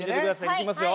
いきますよ。